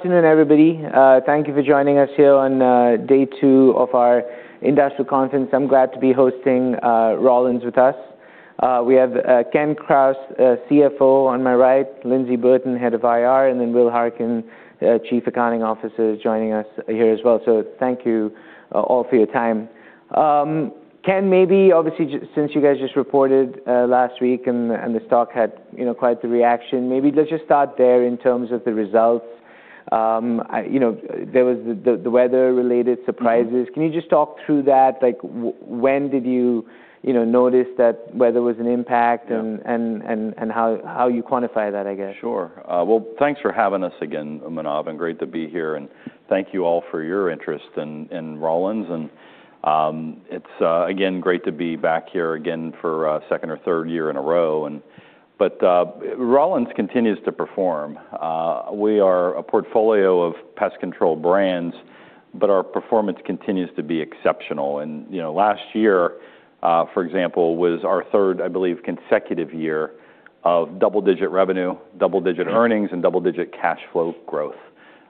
Good afternoon, everybody. Thank you for joining us here on day two of our industrial conference. I'm glad to be hosting Rollins with us. We have Ken Krause, CFO, on my right, Lyndsey Burton, Head of IR, and then William Harkins, Chief Accounting Officer, joining us here as well. Thank you all for your time. Ken, maybe obviously, since you guys just reported last week and the stock had, you know, quite the reaction, maybe let's just start there in terms of the results. I-- you know, there was the, the, the weather-related surprises. Mm-hmm. Can you just talk through that? Like, when did you, you know, notice that weather was an impact- Yeah and how you quantify that, I guess? Sure. Well, thanks for having us again, Manav, and great to be here. And thank you all for your interest in Rollins. And, it's again great to be back here again for a second or third year in a row, and... But, Rollins continues to perform. We are a portfolio of pest control brands, but our performance continues to be exceptional. And, you know, last year, for example, was our third, I believe, consecutive year of double-digit revenue, double-digit earnings. Double-digit cash flow growth.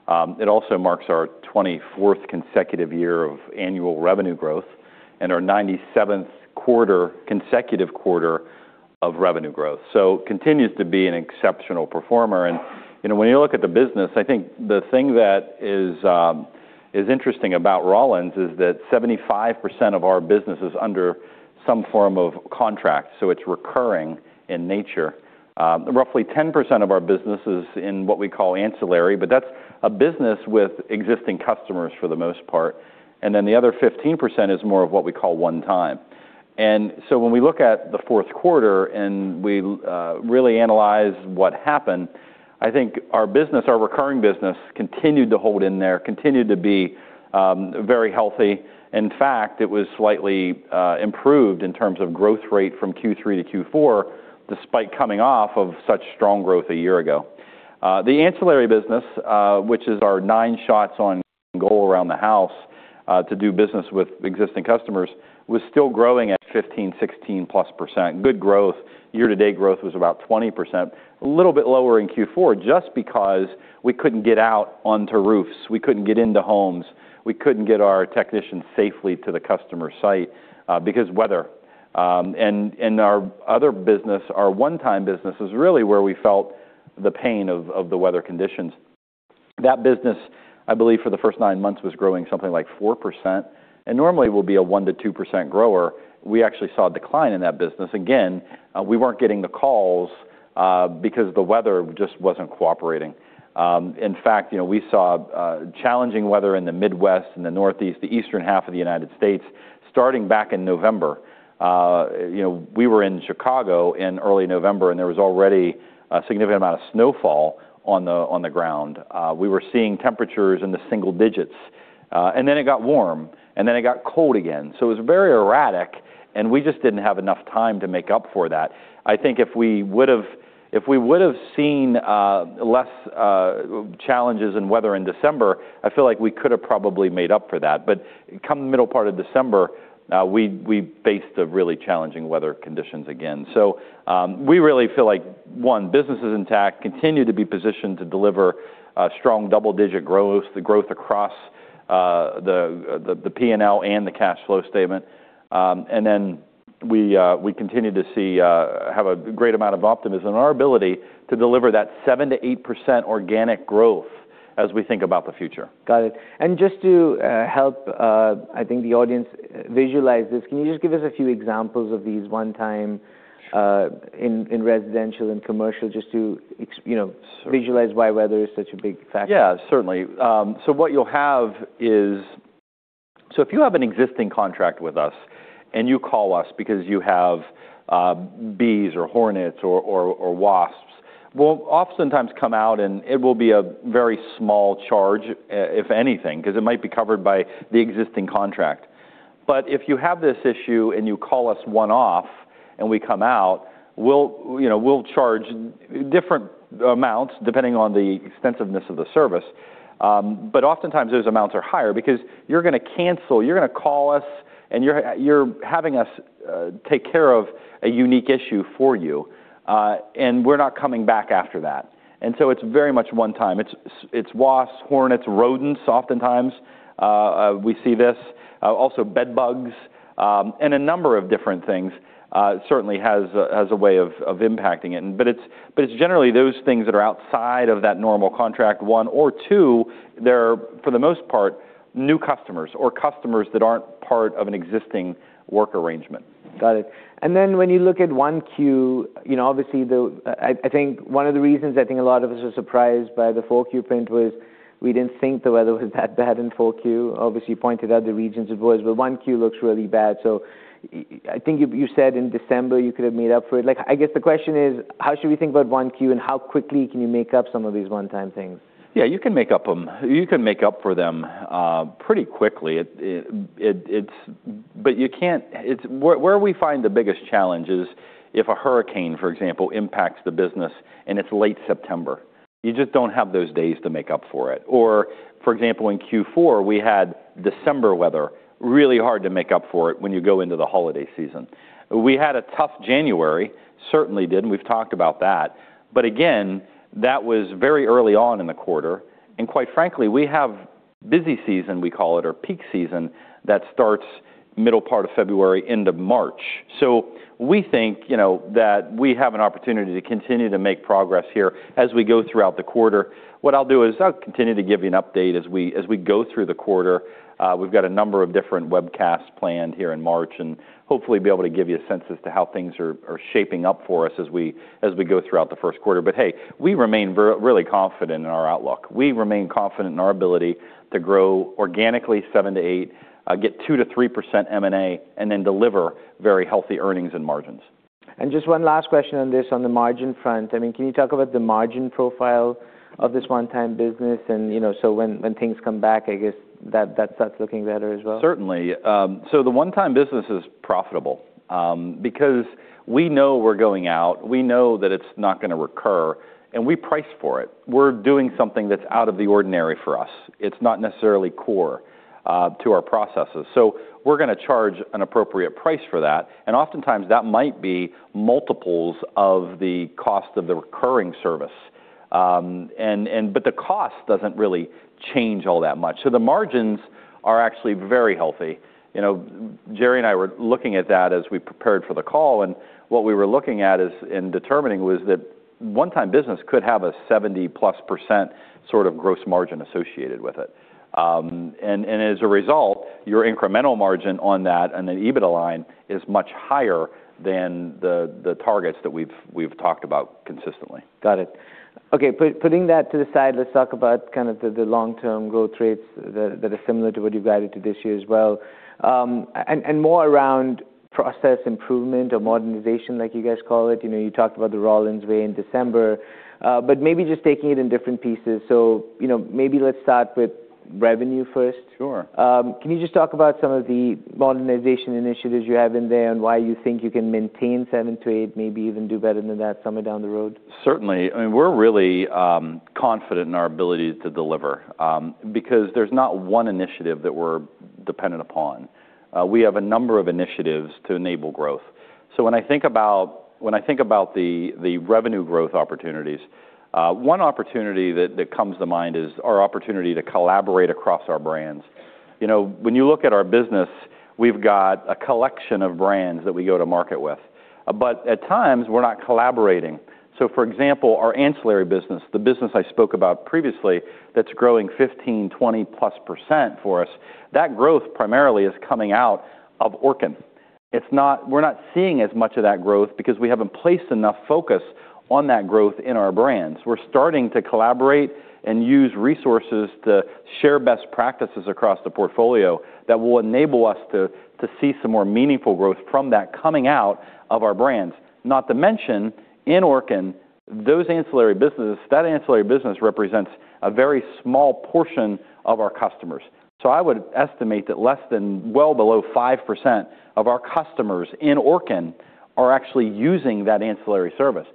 It also marks our 24th consecutive year of annual revenue growth and our 97th consecutive quarter of revenue growth. Continues to be an exceptional performer. You know, when you look at the business, I think the thing that is interesting about Rollins is that 75% of our business is under some form of contract, so it's recurring in nature. Roughly 10% of our business is in what we call ancillary, but that's a business with existing customers for the most part. The other 15% is more of what we call one-time. When we look at the fourth quarter and we really analyze what happened, I think our business, our recurring business, continued to hold in there, continued to be very healthy. In fact, it was slightly improved in terms of growth rate from Q3 to Q4, despite coming off of such strong growth a year ago. The ancillary business, which is our 9 shots on goal around the house to do business with existing customers, was still growing at 15%, 16%+. Good growth. Year-to-date growth was about 20%, a little bit lower in Q4, just because we couldn't get out onto roofs. We couldn't get into homes. We couldn't get our technicians safely to the customer site because weather. And our other business, our one-time business, is really where we felt the pain of the weather conditions. That business, I believe, for the first 9 months, was growing something like 4%, and normally it will be a 1%-2% grower. We actually saw a decline in that business. Again, we weren't getting the calls because the weather just wasn't cooperating. In fact, you know, we saw challenging weather in the Midwest and the Northeast, the eastern half of the United States, starting back in November. You know, we were in Chicago in early November, and there was already a significant amount of snowfall on the ground. We were seeing temperatures in the single digits, and then it got warm, and then it got cold again. So it was very erratic, and we just didn't have enough time to make up for that. I think if we would've seen less challenges in weather in December, I feel like we could have probably made up for that. But come the middle part of December, we faced the really challenging weather conditions again. We really feel like, one, business is intact, continue to be positioned to deliver a strong double-digit growth, the growth across the PNL and the cash flow statement. We continue to see, have a great amount of optimism in our ability to deliver that 7%-8% organic growth as we think about the future. Got it. And just to help, I think the audience visualize this, can you just give us a few examples of these one-time in residential and commercial, just to, you know? Sure... visualize why weather is such a big factor? Yeah, certainly. What you'll have is, if you have an existing contract with us and you call us because you have, you know, bees or hornets or wasps, we'll oftentimes come out, and it will be a very small charge, if anything, because it might be covered by the existing contract. If you have this issue and you call us one-off and we come out, we'll, you know, we'll charge different amounts depending on the extensiveness of the service. Oftentimes, those amounts are higher because you're gonna cancel, you're gonna call us, and you're having us take care of a unique issue for you, and we're not coming back after that. It's very much one-time. It's wasps, hornets, rodents. Oftentimes, we see this also bedbugs, and a number of different things, certainly has a way of impacting it. But it's generally those things that are outside of that normal contract, one or two. They're, for the most part, new customers or customers that aren't part of an existing work arrangement. Got it. When you look at 1Q, you know, obviously, the... I think one of the reasons I think a lot of us are surprised by the 4Q print was we didn't think the weather was that bad in 4Q. Obviously, you pointed out the regions it was, but 1Q looks really bad. I think you said in December, you could have made up for it. Like, I guess the question is, how should we think about 1Q, and how quickly can you make up some of these one-time things? Yeah, you can make up for them pretty quickly. It's where we find the biggest challenge is if a hurricane, for example, impacts the business and it's late September. You just don't have those days to make up for it, or, for example, in Q4, we had December weather. Really hard to make up for it when you go into the holiday season. We had a tough January, certainly did, and we've talked about that. Again, that was very early on in the quarter, and quite frankly, we have busy season, we call it, or peak season, that starts middle part of February, end of March. We think, you know, that we have an opportunity to continue to make progress here as we go throughout the quarter. What I'll do is I'll continue to give you an update as we, as we go through the quarter. We've got a number of different webcasts planned here in March, and hopefully, be able to give you a sense as to how things are, are shaping up for us as we, as we go throughout the first quarter. But hey, we remain very really confident in our outlook. We remain confident in our ability to grow organically 7%-8%, get 2%-3% M&A, and then deliver very healthy earnings and margins. Just one last question on this, on the margin front. I mean, can you talk about the margin profile of this one-time business? You know, so when things come back, I guess that's starting looking better as well. Certainly. So the one-time business is profitable, because we know we're going out, we know that it's not gonna recur, and we price for it. We're doing something that's out of the ordinary for us. It's not necessarily core to our processes. So we're gonna charge an appropriate price for that, and oftentimes, that might be multiples of the cost of the recurring service. But the cost doesn't really change all that much. So the margins are actually very healthy. You know, Jerry and I were looking at that as we prepared for the call, and what we were looking at is... in determining was that one-time business could have a 70%+ sort of gross margin associated with it. As a result, your incremental margin on that and the EBITDA line is much higher than the targets that we've talked about consistently. Got it. Okay, putting that to the side, let's talk about kind of the long-term growth rates that are similar to what you've guided to this year as well. And more around process improvement or modernization, like you guys call it. You know, you talked about the Rollins Way in December, but maybe just taking it in different pieces. So, you know, maybe let's start with revenue first. Sure. Can you just talk about some of the modernization initiatives you have in there and why you think you can maintain seven-eight, maybe even do better than that somewhere down the road? Certainly. I mean, we're really confident in our ability to deliver because there's not one initiative that we're dependent upon. We have a number of initiatives to enable growth. So when I think about the revenue growth opportunities, one opportunity that comes to mind is our opportunity to collaborate across our brands. You know, when you look at our business, we've got a collection of brands that we go to market with, but at times, we're not collaborating. So, for example, our ancillary business, the business I spoke about previously, that's growing 15%-20%+ for us, that growth primarily is coming out of Orkin. It's not. We're not seeing as much of that growth because we haven't placed enough focus on that growth in our brands. We're starting to collaborate and use resources to share best practices across the portfolio that will enable us to see some more meaningful growth from that coming out of our brands. Not to mention, in Orkin, those ancillary businesses, that ancillary business represents a very small portion of our customers. I would estimate that less than well below 5% of our customers in Orkin are actually using that ancillary service.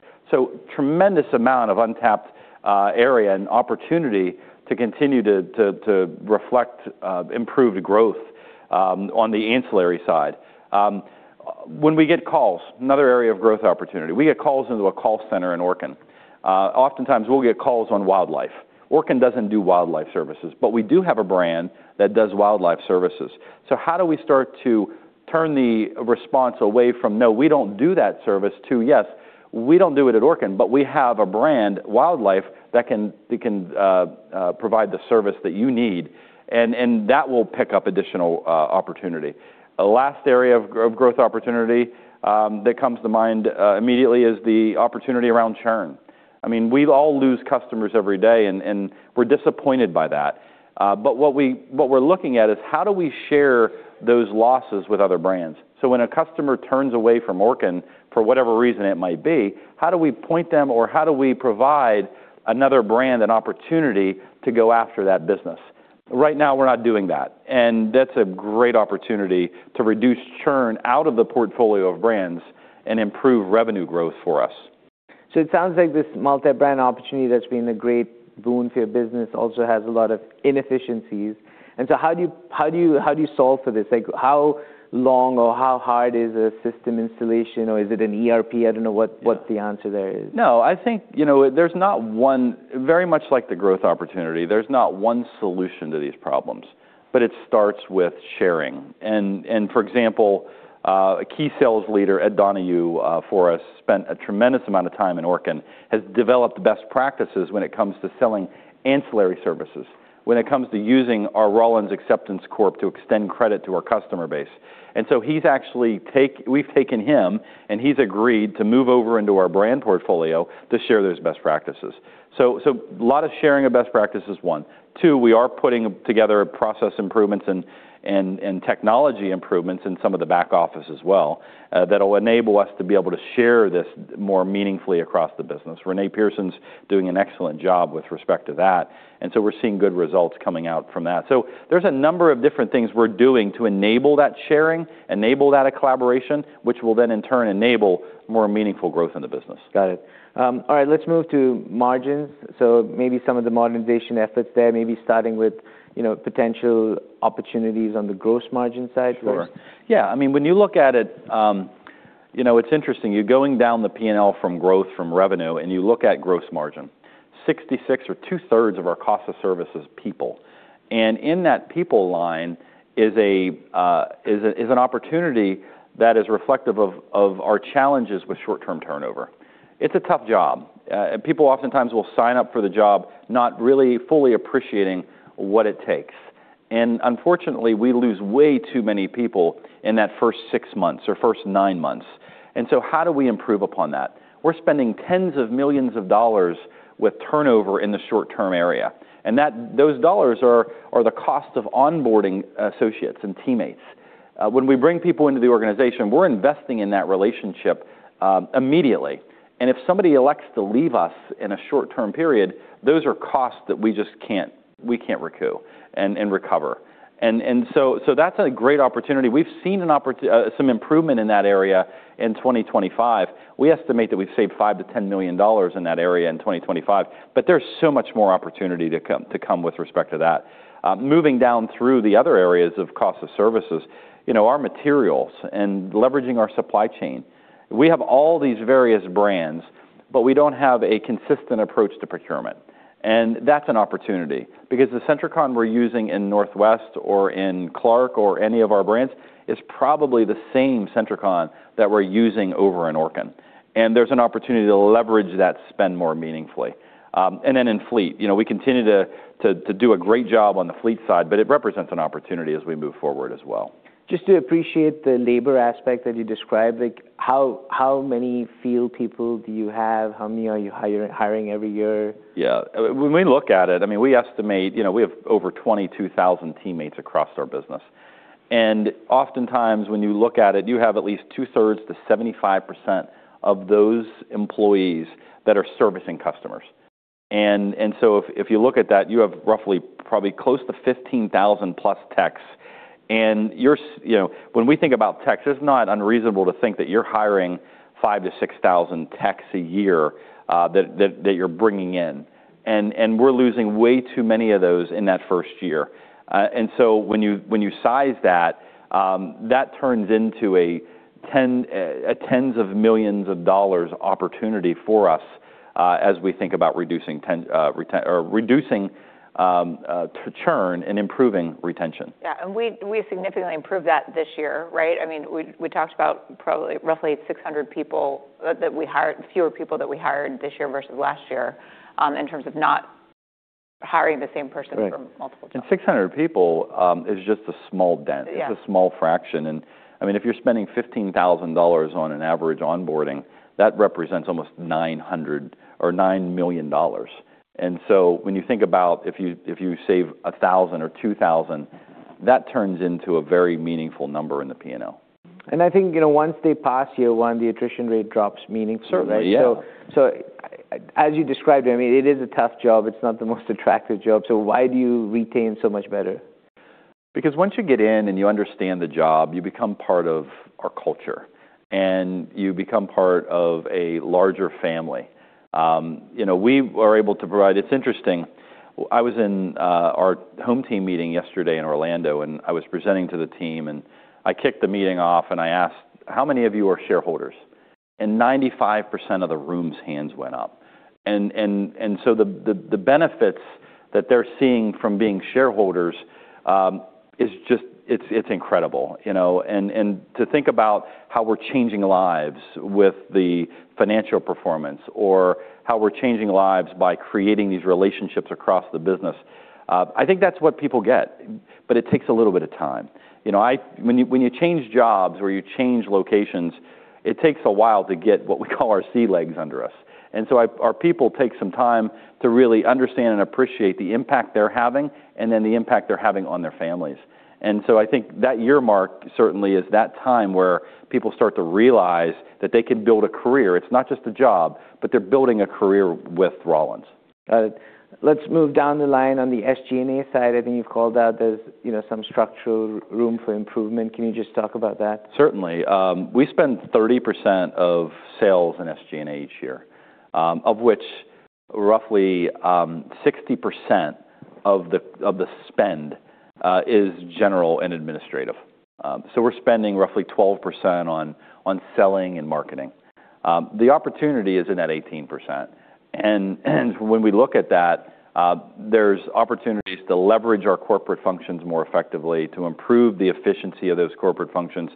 Tremendous amount of untapped area and opportunity to continue to reflect improved growth on the ancillary side. When we get calls, another area of growth opportunity, we get calls into a call center in Orkin. Oftentimes, we'll get calls on wildlife. Orkin doesn't do wildlife services, but we do have a brand that does wildlife services. So how do we start to turn the response away from, "No, we don't do that service," to, "Yes, we don't do it at Orkin, but we have a brand, wildlife, that can provide the service that you need," and that will pick up additional opportunity. The last area of growth opportunity that comes to mind immediately is the opportunity around churn. I mean, we all lose customers every day, and we're disappointed by that. But what we're looking at is: how do we share those losses with other brands? So when a customer turns away from Orkin, for whatever reason it might be, how do we point them, or how do we provide another brand an opportunity to go after that business? Right now, we're not doing that, and that's a great opportunity to reduce churn out of the portfolio of brands and improve revenue growth for us. So it sounds like this multi-brand opportunity that's been a great boon for your business also has a lot of inefficiencies. So how do you solve for this? Like, how long or how hard is a system installation, or is it an ERP? I don't know what- Yeah... what the answer there is. No, I think, you know, there's not one very much like the growth opportunity, there's not one solution to these problems, but it starts with sharing. And for example, a key sales leader, Ed Donoghue, for us, spent a tremendous amount of time in Orkin, has developed best practices when it comes to selling ancillary services, when it comes to using our Rollins Acceptance Corp to extend credit to our customer base. And so we've taken him, and he's agreed to move over into our brand portfolio to share those best practices. So a lot of sharing of best practices, one. Two, we are putting together process improvements and technology improvements in some of the back office as well, that will enable us to be able to share this more meaningfully across the business. Renee Pearson's doing an excellent job with respect to that, and so we're seeing good results coming out from that. So there's a number of different things we're doing to enable that sharing, enable that collaboration, which will then, in turn, enable more meaningful growth in the business. Got it. All right, let's move to margins. So maybe some of the modernization efforts there, maybe starting with, you know, potential opportunities on the gross margin side first. Sure. Yeah, I mean, when you look at it, you know, it's interesting, you're going down the P&L from growth, from revenue, and you look at gross margin. Sixty-six or two-thirds of our cost of service is people, and in that people line is a, is an opportunity that is reflective of, of our challenges with short-term turnover. It's a tough job. People oftentimes will sign up for the job, not really fully appreciating what it takes. Unfortunately, we lose way too many people in that first six months or first nine months. How do we improve upon that? We're spending tens of millions of dollars with turnover in the short-term area, and those dollars are the cost of onboarding associates and teammates. When we bring people into the organization, we're investing in that relationship immediately. And if somebody elects to leave us in a short-term period, those are costs that we just can't we can't recoup and, and recover. And, and so, so that's a great opportunity. We've seen some improvement in that area in 2025. We estimate that we've saved $5 million-$10 million in that area in 2025, but there's so much more opportunity to come, to come with respect to that. Moving down through the other areas of cost of services, you know, our materials and leveraging our supply chain. We have all these various brands, but we don't have a consistent approach to procurement, and that's an opportunity because the Sentricon we're using in Northwest or in Clark or any of our brands is probably the same Sentricon that we're using over in Orkin, and there's an opportunity to leverage that spend more meaningfully. And then in fleet, you know, we continue to do a great job on the fleet side, but it represents an opportunity as we move forward as well. Just to appreciate the labor aspect that you described, like, how many field people do you have? How many are you hiring every year? Yeah. When we look at it, I mean, we estimate. You know, we have over 22,000 teammates across our business. And oftentimes, when you look at it, you have at least two-thirds to 75% of those employees that are servicing customers. And so if you look at that, you have roughly probably close to 15,000+ techs, and you know, when we think about techs, it's not unreasonable to think that you're hiring 5,000-6,000 techs a year that you're bringing in, and we're losing way too many of those in that first year. And so when you size that, that turns into a $10s of millions opportunity for us as we think about reducing 10 or reducing churn and improving retention. Yeah, and we significantly improved that this year, right? I mean, we talked about probably roughly 600 people that we hired, fewer people that we hired this year versus last year, in terms of not hiring the same person- Right from multiple jobs. 600 people is just a small dent. Yeah. It's a small fraction. I mean, if you're spending $15,000 on an average onboarding, that represents almost $900 million or $9 million. So when you think about if you, if you save 1,000 or 2,000, that turns into a very meaningful number in the P&L. I think, you know, once they pass year one, the attrition rate drops meaningfully. Certainly, yeah. So, as you described, I mean, it is a tough job. It's not the most attractive job, so why do you retain so much better? Because once you get in and you understand the job, you become part of our culture, and you become part of a larger family. You know, we were able to provide... It's interesting, I was in our HomeTeam meeting yesterday in Orlando, and I was presenting to the team, and I kicked the meeting off, and I asked: "How many of you are shareholders?" And 95% of the room's hands went up. And so the benefits that they're seeing from being shareholders is just, it's incredible, you know. And to think about how we're changing lives with the financial performance or how we're changing lives by creating these relationships across the business, I think that's what people get, but it takes a little bit of time. You know, when you change jobs or you change locations, it takes a while to get what we call our sea legs under us. And so our people take some time to really understand and appreciate the impact they're having and then the impact they're having on their families. And so I think that year mark certainly is that time where people start to realize that they can build a career. It's not just a job, but they're building a career with Rollins. Let's move down the line on the SG&A side. I think you've called out there's, you know, some structural room for improvement. Can you just talk about that? Certainly. We spend 30% of sales in SG&A each year, of which roughly 60% of the spend is general and administrative. So we're spending roughly 12% on selling and marketing. The opportunity is in that 18%. And when we look at that, there's opportunities to leverage our corporate functions more effectively, to improve the efficiency of those corporate functions.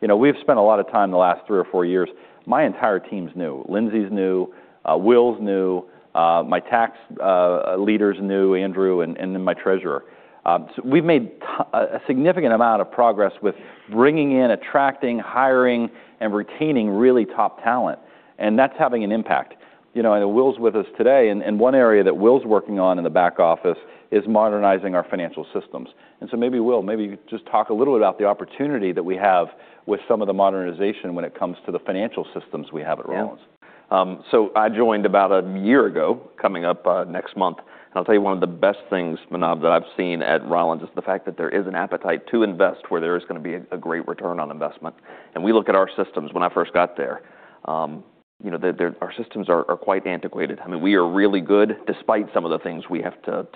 You know, we've spent a lot of time in the last three or four years. My entire team's new. Lindsay's new, Will's new, my tax leader is new, Andrew, and then my treasurer. So we've made a significant amount of progress with bringing in, attracting, hiring, and retaining really top talent, and that's having an impact. You know, and Will's with us today, and one area that Will's working on in the back office is modernizing our financial systems. So maybe, Will, maybe just talk a little about the opportunity that we have with some of the modernization when it comes to the financial systems we have at Rollins. So I joined about a year ago, coming up next month. And I'll tell you, one of the best things, Manav, that I've seen at Rollins is the fact that there is an appetite to invest where there is gonna be a great return on investment. And we look at our systems when I first got there, you know, our systems are quite antiquated. I mean, we are really good, despite some of the things we have to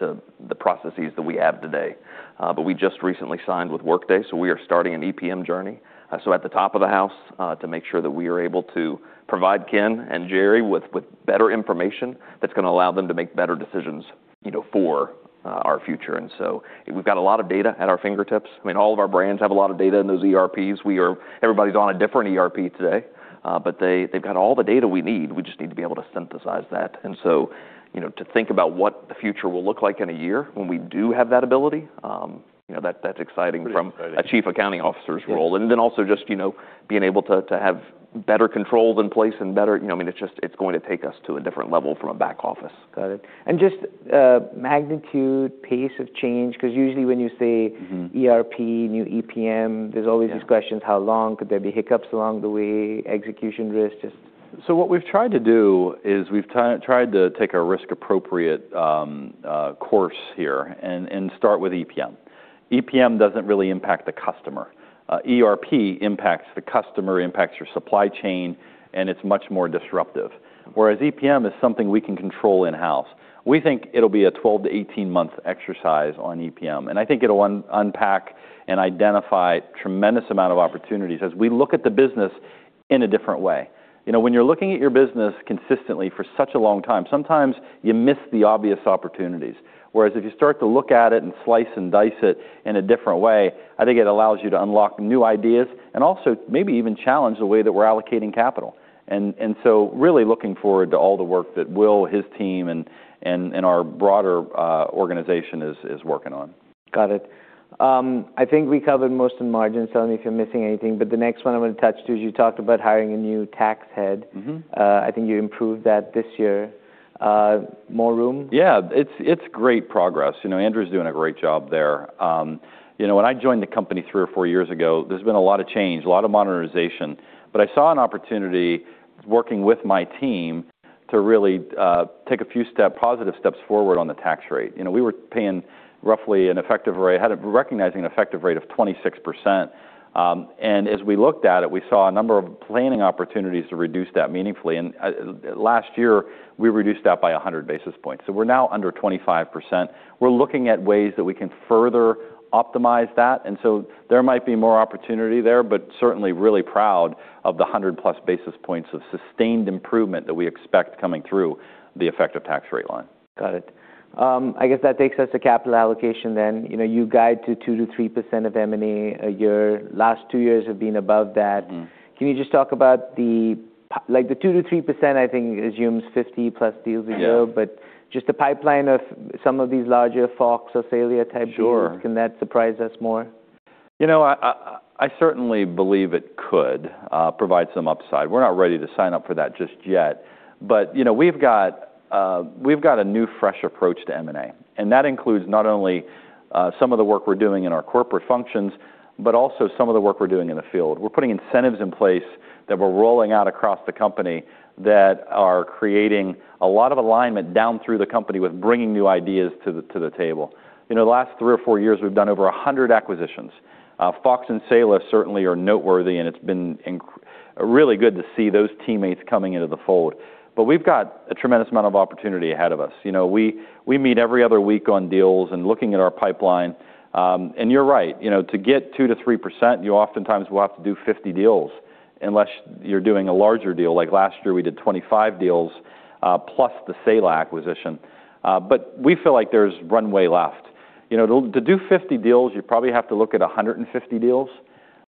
the processes that we have today. But we just recently signed with Workday, so we are starting an EPM journey. So at the top of the house, to make sure that we are able to provide Ken and Jerry with better information that's gonna allow them to make better decisions, you know, for our future. And so we've got a lot of data at our fingertips. I mean, all of our brands have a lot of data in those ERPs. Everybody's on a different ERP today, but they, they've got all the data we need. We just need to be able to synthesize that. And so, you know, to think about what the future will look like in a year when we do have that ability, you know, that, that's exciting- Pretty exciting. -from a Chief Accounting Officer's role. Then also just, you know, being able to have better controls in place and better... You know, I mean, it's just—it's going to take us to a different level from a back office. Got it. And just, magnitude, pace of change, 'cause usually when you say- Mm-hmm. ERP, new EPM, there's always- Yeah... these questions, how long could there be hiccups along the way, execution risk, just? So what we've tried to do is we've tried to take a risk-appropriate course here and start with EPM. EPM doesn't really impact the customer. ERP impacts the customer, impacts your supply chain, and it's much more disruptive, whereas EPM is something we can control in-house. We think it'll be a 12-18-month exercise on EPM, and I think it'll unpack and identify tremendous amount of opportunities as we look at the business in a different way. You know, when you're looking at your business consistently for such a long time, sometimes you miss the obvious opportunities, whereas if you start to look at it and slice and dice it in a different way, I think it allows you to unlock new ideas and also maybe even challenge the way that we're allocating capital. So really looking forward to all the work that Will, his team, and our broader organization is working on. Got it. I think we covered most in margins. Tell me if I'm missing anything, but the next one I want to touch to is you talked about hiring a new tax head. Mm-hmm. I think you improved that this year. More room? Yeah, it's great progress. You know, Andrew's doing a great job there. You know, when I joined the company three or four years ago, there's been a lot of change, a lot of modernization, but I saw an opportunity, working with my team, to really take positive steps forward on the tax rate. You know, we were paying roughly an effective rate... recognizing an effective rate of 26%. And as we looked at it, we saw a number of planning opportunities to reduce that meaningfully, and last year, we reduced that by a hundred basis points, so we're now under 25%. We're looking at ways that we can further optimize that, and so there might be more opportunity there, but certainly really proud of the 100+ basis points of sustained improvement that we expect coming through the effective tax rate line. Got it. I guess that takes us to capital allocation then. You know, you guide to 2%-3% of M&A a year. Last two years have been above that. Mm-hmm. Can you just talk about the like, the 2%-3%, I think, assumes 50+ deals a year? Yeah... but just the pipeline of some of these larger Fox or Saela-type deals. Sure. Can that surprise us more? You know, I certainly believe it could provide some upside. We're not ready to sign up for that just yet, but, you know, we've got a new, fresh approach to M&A, and that includes not only some of the work we're doing in our corporate functions, but also some of the work we're doing in the field. We're putting incentives in place that we're rolling out across the company that are creating a lot of alignment down through the company with bringing new ideas to the table. You know, the last three or four years, we've done over 100 acquisitions. Fox and Saela certainly are noteworthy, and it's been really good to see those teammates coming into the fold. But we've got a tremendous amount of opportunity ahead of us. You know, we meet every other week on deals and looking at our pipeline. And you're right, you know, to get 2%-3%, you oftentimes will have to do 50 deals, unless you're doing a larger deal. Like, last year, we did 25 deals, plus the Saela acquisition, but we feel like there's runway left. You know, to do 50 deals, you probably have to look at 150 deals,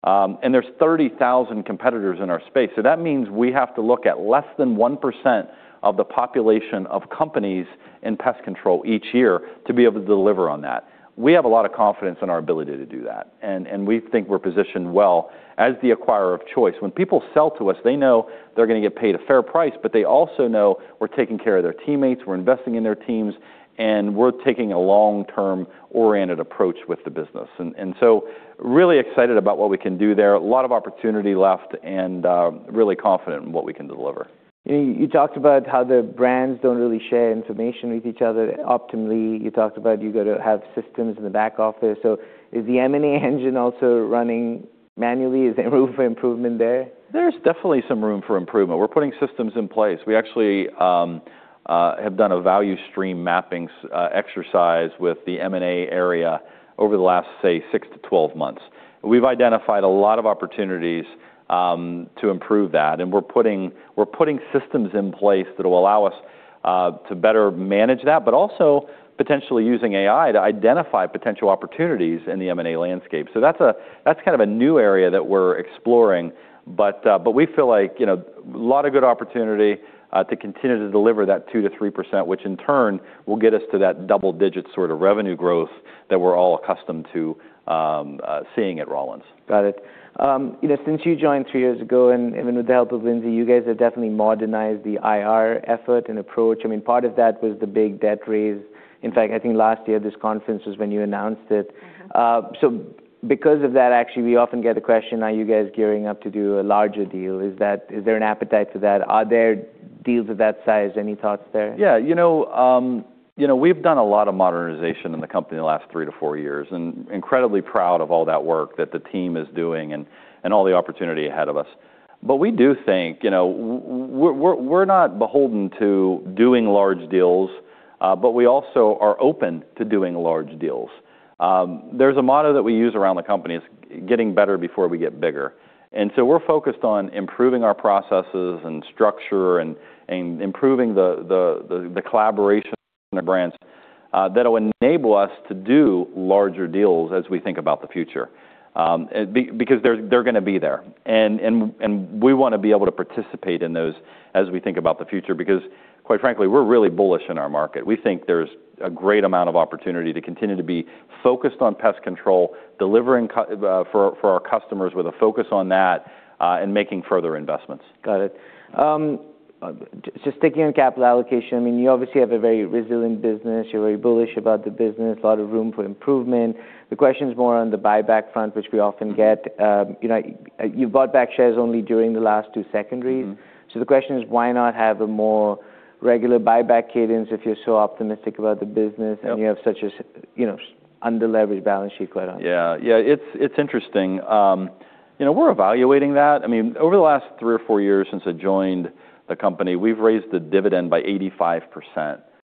and there's 30,000 competitors in our space. So that means we have to look at less than 1% of the population of companies in pest control each year to be able to deliver on that. We have a lot of confidence in our ability to do that, and we think we're positioned well as the acquirer of choice. When people sell to us, they know they're gonna get paid a fair price, but they also know we're taking care of their teammates, we're investing in their teams, and we're taking a long-term oriented approach with the business. And so really excited about what we can do there. A lot of opportunity left and, really confident in what we can deliver. You talked about how the brands don't really share information with each other optimally. You talked about you got to have systems in the back office. So is the M&A engine also running manually? Is there room for improvement there? There's definitely some room for improvement. We're putting systems in place. We actually have done a value stream mapping exercise with the M&A area over the last, say, 6-12 months. We've identified a lot of opportunities to improve that, and we're putting, we're putting systems in place that will allow us to better manage that, but also potentially using AI to identify potential opportunities in the M&A landscape. So that's kind of a new area that we're exploring, but we feel like, you know, a lot of good opportunity to continue to deliver that 2%-3%, which in turn will get us to that double-digit sort of revenue growth that we're all accustomed to seeing at Rollins. Got it. You know, since you joined three years ago, and with the help of Lyndsey, you guys have definitely modernized the IR effort and approach. I mean, part of that was the big debt raise. In fact, I think last year, this conference was when you announced it. Mm-hmm. So because of that, actually, we often get the question: Are you guys gearing up to do a larger deal? Is there an appetite for that? Are there deals of that size? Any thoughts there? Yeah, you know, you know, we've done a lot of modernization in the company in the last three-four years, and incredibly proud of all that work that the team is doing and, and all the opportunity ahead of us. But we do think, you know, we're, we're not beholden to doing large deals, but we also are open to doing large deals. There's a motto that we use around the company, is, "Getting better before we get bigger." And so we're focused on improving our processes and structure, and, and improving the, the, the, collaboration in the brands, that will enable us to do larger deals as we think about the future. Because they're, they're gonna be there. And we wanna be able to participate in those as we think about the future, because quite frankly, we're really bullish in our market. We think there's a great amount of opportunity to continue to be focused on pest control, delivering for our customers with a focus on that, and making further investments. Got it. Just sticking on capital allocation, I mean, you obviously have a very resilient business. You're very bullish about the business, a lot of room for improvement. The question is more on the buyback front, which we often get. Mm-hmm. You know, you've bought back shares only during the last two secondaries. Mm-hmm. The question is, why not have a more regular buyback cadence if you're so optimistic about the business? Yeah... and you have such a, you know, under-leveraged balance sheet going on? Yeah. Yeah, it's interesting. You know, we're evaluating that. I mean, over the last three or four years since I joined the company, we've raised the dividend by 85%.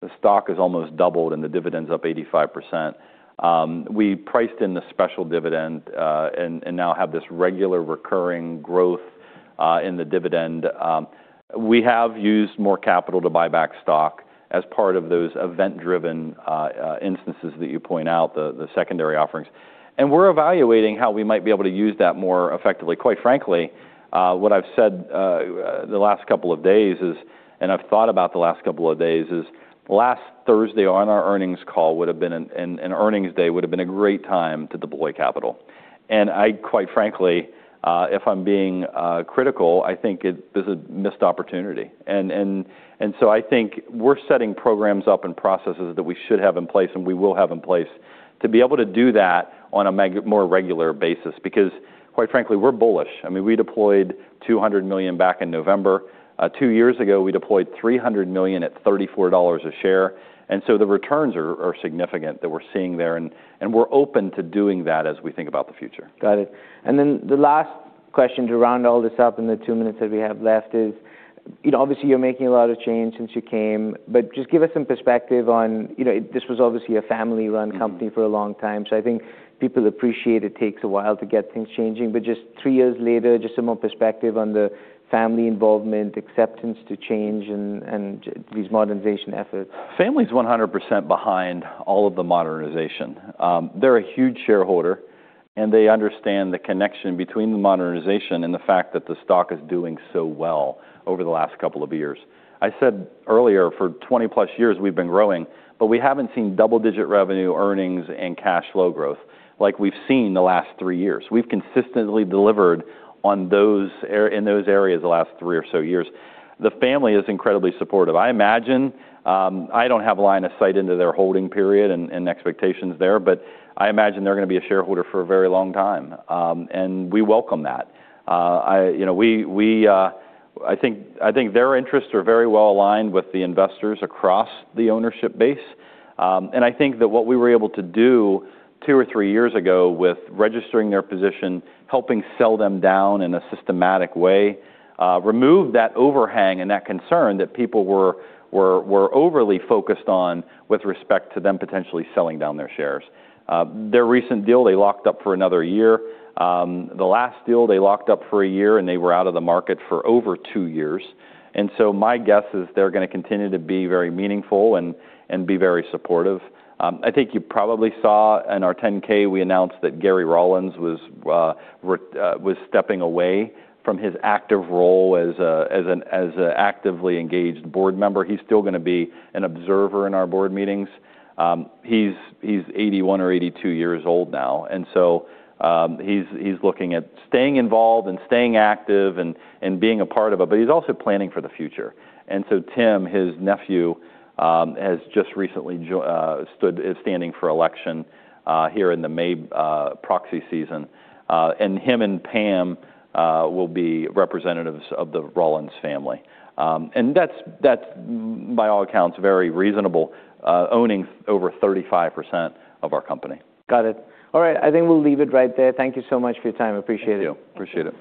The stock has almost doubled, and the dividend's up 85%. We priced in the special dividend, and now have this regular recurring growth in the dividend. We have used more capital to buy back stock as part of those event-driven instances that you point out, the secondary offerings. And we're evaluating how we might be able to use that more effectively. Quite frankly, what I've said the last couple of days is, and I've thought about the last couple of days, is last Thursday on our earnings call would've been a great time to deploy capital. I quite frankly, if I'm being critical, I think there's a missed opportunity. And so I think we're setting programs up and processes that we should have in place, and we will have in place, to be able to do that on a more regular basis, because quite frankly, we're bullish. I mean, we deployed $200 million back in November. Two years ago, we deployed $300 million at $34 a share, and so the returns are significant that we're seeing there, and we're open to doing that as we think about the future. Got it. Then the last question to round all this up in the 2 minutes that we have left is, you know, obviously, you're making a lot of change since you came, but just give us some perspective on... You know, this was obviously a family-run company- Mm... for a long time, so I think people appreciate it takes a while to get things changing. But just three years later, just some more perspective on the family involvement, acceptance to change and, and these modernization efforts. Family's 100% behind all of the modernization. They're a huge shareholder, and they understand the connection between the modernization and the fact that the stock is doing so well over the last couple of years. I said earlier, for 20+ years, we've been growing, but we haven't seen double-digit revenue, earnings, and cash flow growth like we've seen in the last three years. We've consistently delivered on those in those areas the last three or so years. The family is incredibly supportive. I imagine, I don't have line of sight into their holding period and, and expectations there, but I imagine they're gonna be a shareholder for a very long time, and we welcome that. You know, we, I think their interests are very well aligned with the investors across the ownership base. And I think that what we were able to do two or three years ago with registering their position, helping sell them down in a systematic way, removed that overhang and that concern that people were overly focused on with respect to them potentially selling down their shares. Their recent deal, they locked up for another year. The last deal, they locked up for a year, and they were out of the market for over two years. And so my guess is they're gonna continue to be very meaningful and be very supportive. I think you probably saw in our 10-K, we announced that Gary Rollins was stepping away from his active role as an actively engaged board member. He's still gonna be an observer in our board meetings. He's 81 or 82 years old now, and so, he's looking at staying involved and staying active and being a part of it, but he's also planning for the future. And so Tim, his nephew, is standing for election here in the May proxy season. And him and Pam will be representatives of the Rollins family. And that's, by all accounts, very reasonable, owning over 35% of our company. Got it. All right, I think we'll leave it right there. Thank you so much for your time. I appreciate it. Thank you. Appreciate it.